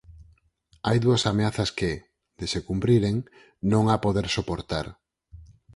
Hai dúas ameazas que, de se cumpriren, non ha poder soportar.